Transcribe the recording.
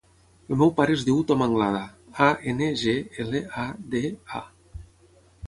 El meu pare es diu Tom Anglada: a, ena, ge, ela, a, de, a.